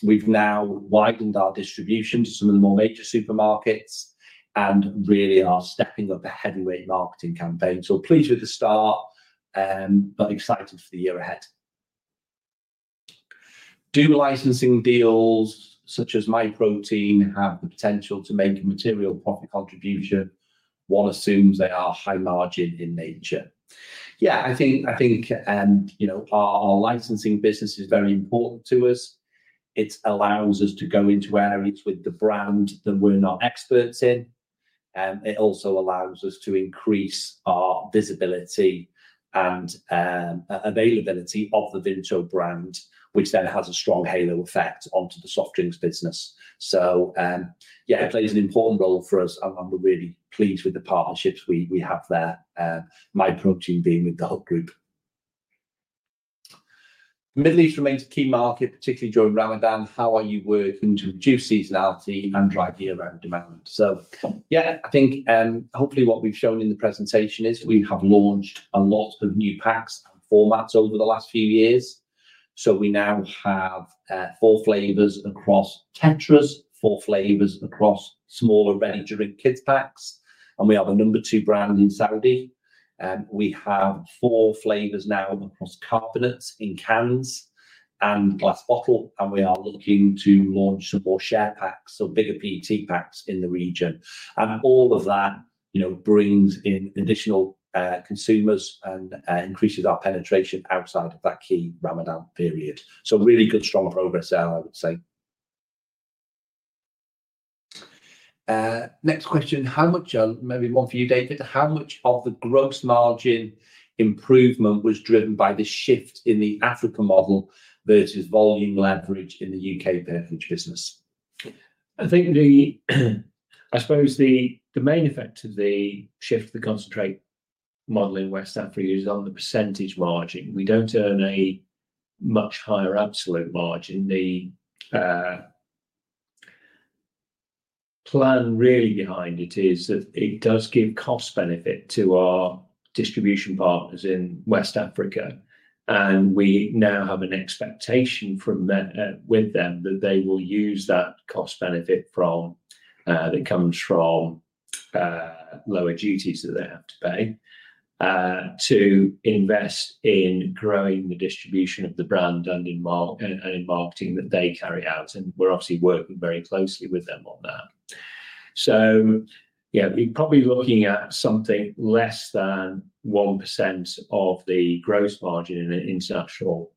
We've now widened our distribution to some of the more major supermarkets and really are stepping up the heavyweight marketing campaign. Pleased with the start, but excited for the year ahead. Do licensing deals such as Myprotein have the potential to make a material profit contribution? One assumes they are high margin in nature. Yeah, I think our licensing business is very important to us. It allows us to go into areas with the brand that we're not experts in. It also allows us to increase our visibility and availability of the Vimto brand, which then has a strong halo effect onto the soft drinks business. Yeah, it plays an important role for us, and we're really pleased with the partnerships we have there, Myprotein being with The Hut Group. The Middle East remains a key market, particularly during Ramadan. How are you working to reduce seasonality and drive year-round demand? Yeah, I think hopefully what we've shown in the presentation is we have launched a lot of new packs and formats over the last few years. We now have four flavors across Tetras, four flavors across smaller ready-to-drink kids' packs, and we have a number two brand in Saudi. We have four flavors now across carbonates in cans and glass bottle, and we are looking to launch some more share packs, so bigger PT packs in the region. All of that brings in additional consumers and increases our penetration outside of that key Ramadan period. Really good strong progress there, I would say. Next question, how much, maybe one for you, David, how much of the gross margin improvement was driven by the shift in the Africa model versus volume leverage in the U.K. beverage business? I think the, I suppose the main effect of the shift to the concentrate model in West Africa is on the percentage margin. We do not earn a much higher absolute margin. The plan really behind it is that it does give cost benefit to our distribution partners in West Africa. We now have an expectation with them that they will use that cost benefit that comes from lower duties that they have to pay to invest in growing the distribution of the brand and in marketing that they carry out. We are obviously working very closely with them on that. Yeah, we are probably looking at something less than 1% of the gross margin in the international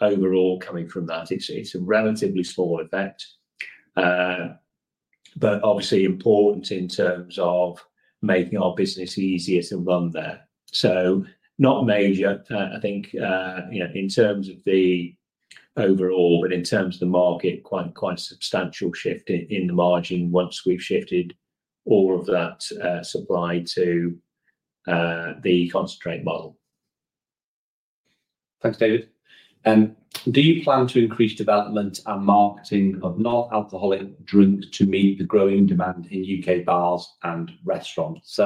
overall coming from that. It is a relatively small effect, but obviously important in terms of making our business easier to run there. Not major, I think in terms of the overall, but in terms of the market, quite a substantial shift in the margin once we have shifted all of that supply to the concentrate model. Thanks, David. Do you plan to increase development and marketing of non-alcoholic drinks to meet the growing demand in U.K. bars and restaurants?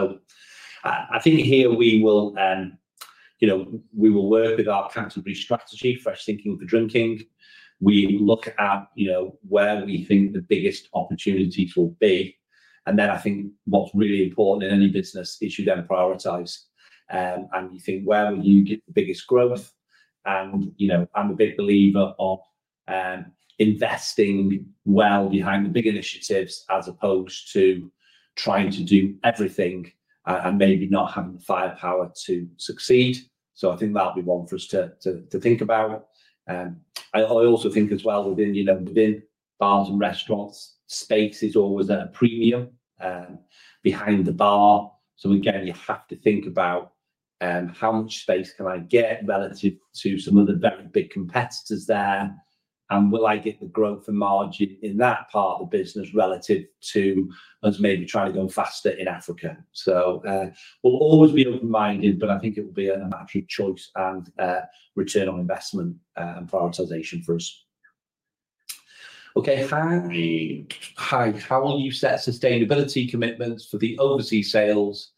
I think here we will work with our category strategy, fresh thinking for drinking. We look at where we think the biggest opportunities will be. I think what's really important in any business is you then prioritize. You think where will you get the biggest growth? I'm a big believer of investing well behind the big initiatives as opposed to trying to do everything and maybe not having the firepower to succeed. I think that'll be one for us to think about. I also think as well within bars and restaurants, space is always a premium behind the bar. Again, you have to think about how much space can I get relative to some of the very big competitors there? Will I get the growth and margin in that part of the business relative to us maybe trying to go faster in Africa? We will always be open-minded, but I think it will be a matter of choice and return on investment and prioritization for us. Okay, hi. Hi, how will you set sustainability commitments for the overseas sales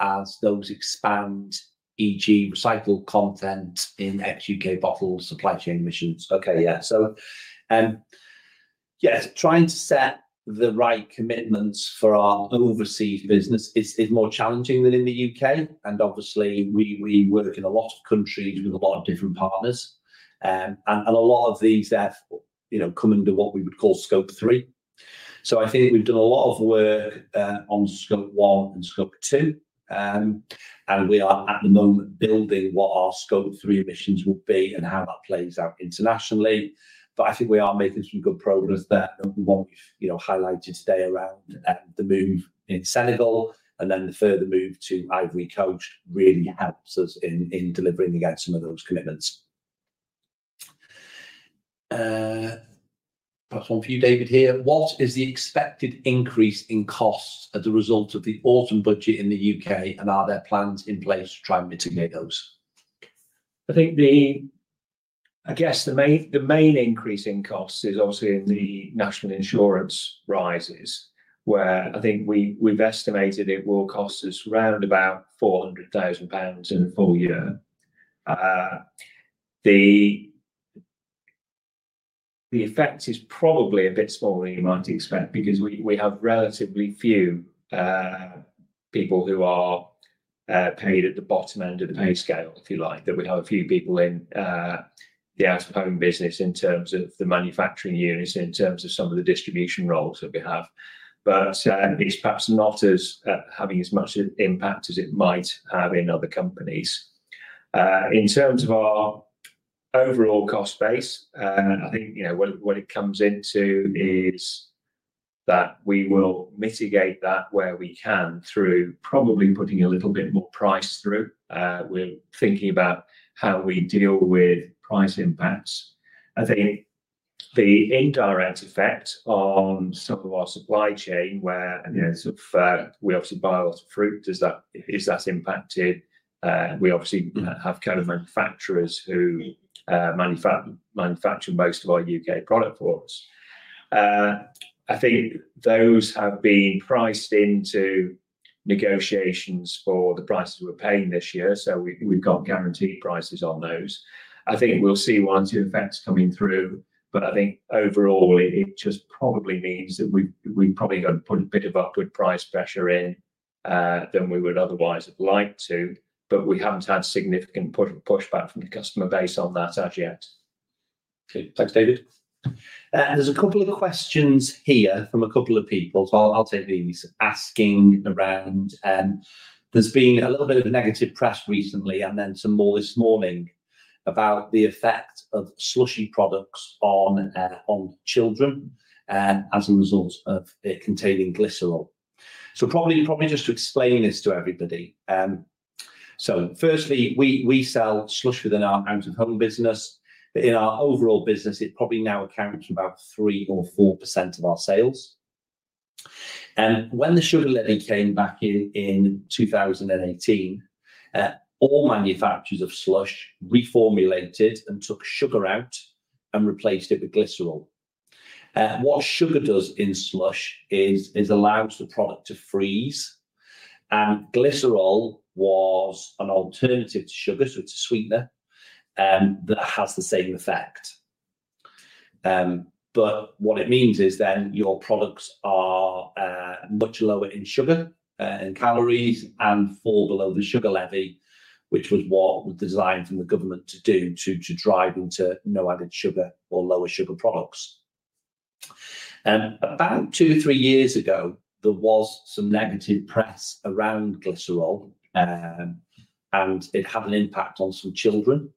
as those expand, e.g., recycle content in ex-U.K. bottles, supply chain emissions? Okay, yeah. Trying to set the right commitments for our overseas business is more challenging than in the U.K. Obviously, we work in a lot of countries with a lot of different partners. A lot of these have come into what we would call Scope 3. I think we have done a lot of work on Scope 1 and Scope 2. We are at the moment building what our Scope 3 emissions will be and how that plays out internationally. I think we are making some good progress there. The one we've highlighted today around the move in Senegal and then the further move to Ivory Coast really helps us in delivering against some of those commitments. Perhaps one for you, David here. What is the expected increase in costs as a result of the Autumn Budget in the U.K., and are there plans in place to try and mitigate those? I think the, I guess the main increase in costs is obviously in the National Insurance rises, where I think we've estimated it will cost us around about 400,000 pounds in the full year. The effect is probably a bit smaller than you might expect because we have relatively few people who are paid at the bottom end of the pay scale, if you like, that we have a few people in the out-of-home business in terms of the manufacturing units, in terms of some of the distribution roles that we have. It is perhaps not having as much impact as it might have in other companies. In terms of our overall cost base, I think what it comes into is that we will mitigate that where we can through probably putting a little bit more price through. We are thinking about how we deal with price impacts. I think the indirect effect on some of our supply chain, where we obviously buy a lot of fruit, is that impacted. We obviously have kind of manufacturers who manufacture most of our U.K. product for us. I think those have been priced into negotiations for the prices we're paying this year. So we've got guaranteed prices on those. I think we'll see one or two effects coming through. I think overall, it just probably means that we've probably got to put a bit of upward price pressure in than we would otherwise have liked to. We haven't had significant pushback from the customer base on that as yet. Okay, thanks, David. There's a couple of questions here from a couple of people. I'll take these. Asking around, there's been a little bit of a negative press recently and then some more this morning about the effect of slushy products on children as a result of it containing glycerol. Probably just to explain this to everybody. Firstly, we sell slush within our out-of-home business. In our overall business, it probably now accounts for about 3% or 4% of our sales. When the sugar levy came back in 2018, all manufacturers of slush reformulated and took sugar out and replaced it with glycerol. What sugar does in slush is it allows the product to freeze. Glycerol was an alternative to sugar, so it's a sweetener that has the same effect. What it means is then your products are much lower in sugar and calories and far below the sugar levy, which was what was designed from the government to do to drive into no added sugar or lower sugar products. About two or three years ago, there was some negative press around glycerol, and it had an impact on some children.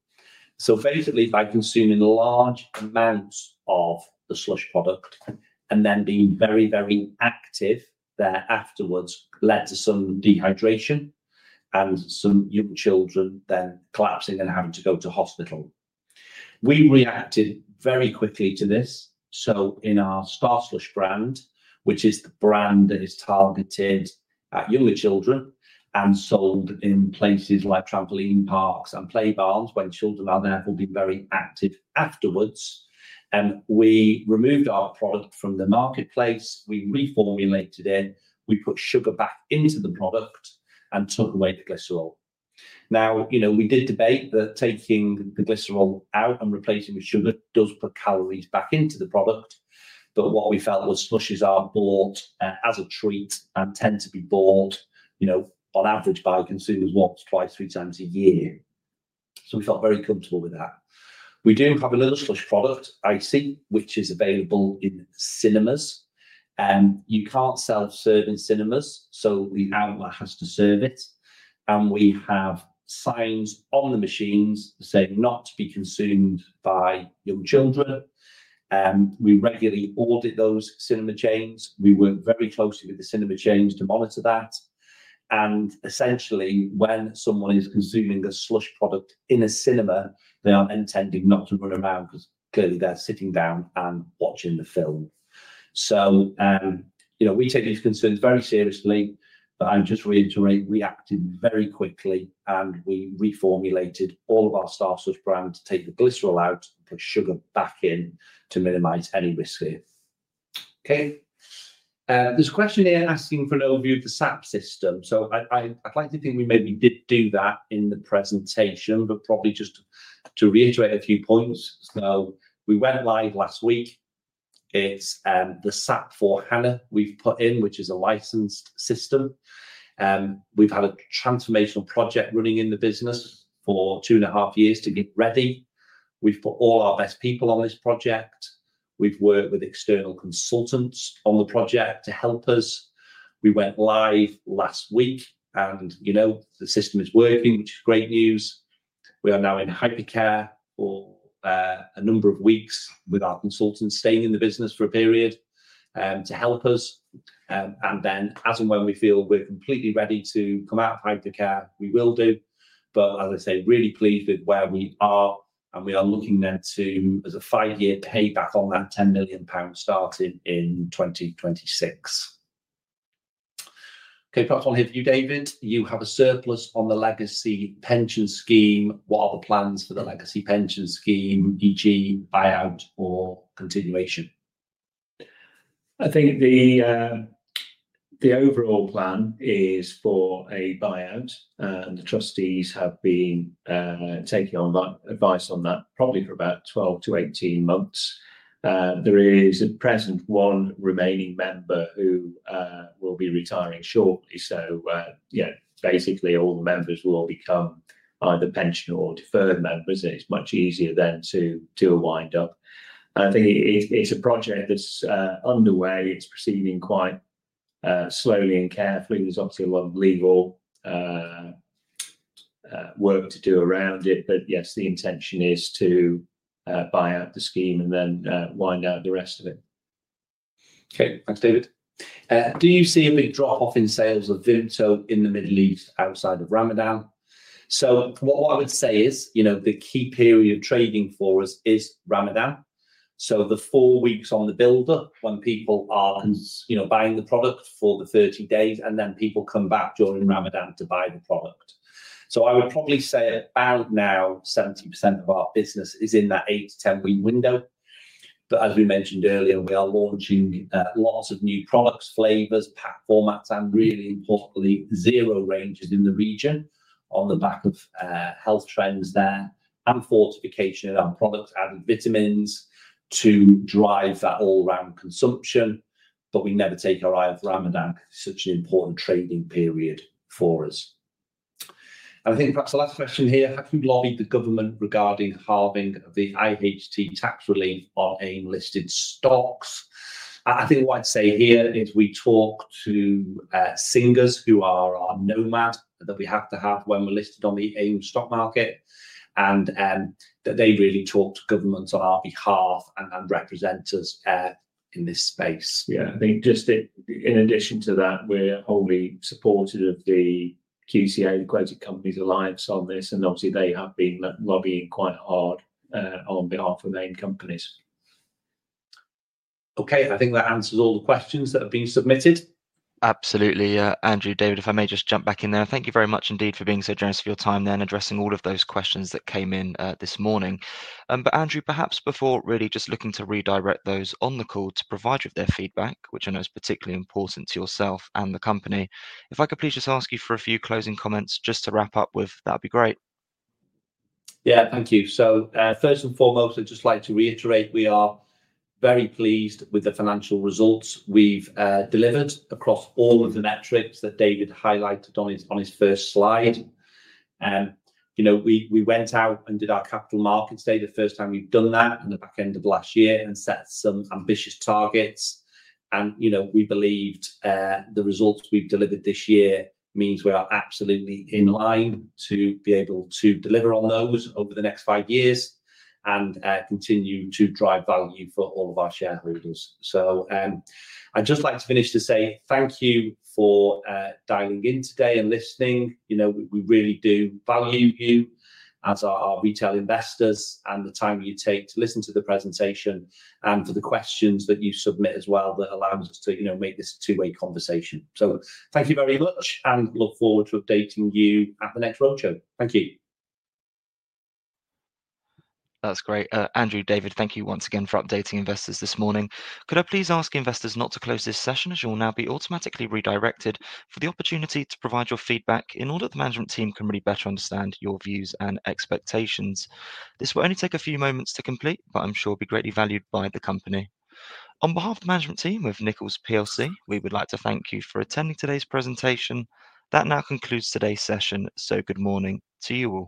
Basically, by consuming large amounts of the slush product and then being very, very active afterwards, led to some dehydration and some young children then collapsing and having to go to hospital. We reacted very quickly to this. In our Starslush brand, which is the brand that is targeted at younger children and sold in places like trampoline parks and play barns, when children are therefore being very active afterwards, we removed our product from the marketplace. We reformulated it. We put sugar back into the product and took away the glycerol. We did debate that taking the glycerol out and replacing with sugar does put calories back into the product. What we felt was slushies are bought as a treat and tend to be bought on average by consumers once, twice, three times a year. We felt very comfortable with that. We do have a little slush product, ICEE, which is available in cinemas. You can't self-serve in cinemas, so the outlet has to serve it. We have signs on the machines saying not to be consumed by young children. We regularly audit those cinema chains. We work very closely with the cinema chains to monitor that. Essentially, when someone is consuming a slush product in a cinema, they are intending not to run around because clearly they're sitting down and watching the film. We take these concerns very seriously. I'm just reiterating, we acted very quickly, and we reformulated all of our Starslush brand to take the glycerol out and put sugar back in to minimize any risk here. Okay. There's a question here asking for an overview of the SAP system. I'd like to think we maybe did do that in the presentation, but probably just to reiterate a few points. We went live last week. It's the SAP S/4HANA we've put in, which is a licensed system. We've had a transformational project running in the business for two and a half years to get ready. We've put all our best people on this project. We've worked with external consultants on the project to help us. We went live last week, and the system is working, which is great news. We are now in hypercare for a number of weeks with our consultants staying in the business for a period to help us. As and when we feel we're completely ready to come out of hypercare, we will do. As I say, really pleased with where we are. We are looking then to, as a five-year payback on that 10 million pound starting in 2026. Okay, perhaps one here for you, David. You have a surplus on the legacy pension scheme. What are the plans for the legacy pension scheme, e.g., buyout or continuation? I think the overall plan is for a buyout, and the trustees have been taking on advice on that probably for about 12 to 18 months. There is at present one remaining member who will be retiring shortly. Basically, all the members will become either pension or deferred members. It's much easier then to wind up. I think it's a project that's underway. It's proceeding quite slowly and carefully. There's obviously a lot of legal work to do around it. Yes, the intention is to buy out the scheme and then wind out the rest of it. Okay, thanks, David. Do you see a big drop-off in sales of Vimto in the Middle East outside of Ramadan? What I would say is the key period of trading for us is Ramadan. The four weeks on the build-up when people are buying the product for the 30 days, and then people come back during Ramadan to buy the product. I would probably say about now 70% of our business is in that 8 to 10 week window. As we mentioned earlier, we are launching lots of new products, flavors, pack formats, and really importantly, zero ranges in the region on the back of health trends there and fortification of our products, added vitamins to drive that all-round consumption. We never take our eye off Ramadan because it is such an important trading period for us. I think perhaps the last question here, how can we lobby the government regarding halving of the IHT tax relief on AIM-listed stocks? I think what I'd say here is we talk to Singers, who are our Nomads that we have to have when we're listed on the AIM stock market, and that they really talk to governments on our behalf and represent us in this space. I think just in addition to that, we're wholly supportive of the QCA, the Quoted Companies Alliance on this. Obviously, they have been lobbying quite hard on behalf of AIM companies. I think that answers all the questions that have been submitted. Absolutely. Andrew, David, if I may just jump back in there, thank you very much indeed for being so generous of your time there and addressing all of those questions that came in this morning. Andrew, perhaps before really just looking to redirect those on the call to provide you with their feedback, which I know is particularly important to yourself and the company, if I could please just ask you for a few closing comments just to wrap up with, that would be great. Yeah, thank you. First and foremost, I'd just like to reiterate, we are very pleased with the financial results we've delivered across all of the metrics that David highlighted on his first slide. We went out and did our Capital Markets Day, the first time we've done that in the back end of last year, and set some ambitious targets. We believed the results we've delivered this year means we are absolutely in line to be able to deliver on those over the next five years and continue to drive value for all of our shareholders. I would just like to finish to say thank you for dialing in today and listening. We really do value you as our retail investors and the time you take to listen to the presentation and for the questions that you submit as well that allows us to make this a two-way conversation. Thank you very much and look forward to updating you at the next roadshow. Thank you. That's great. Andrew, David, thank you once again for updating investors this morning. Could I please ask investors not to close this session as you will now be automatically redirected for the opportunity to provide your feedback in order that the management team can really better understand your views and expectations? This will only take a few moments to complete, but I am sure it will be greatly valued by the company. On behalf of the management team with Nichols, we would like to thank you for attending today's presentation. That now concludes today's session. Good morning to you all.